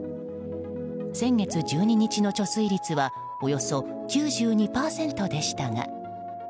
先月１２日の貯水率はおよそ９２％でしたが。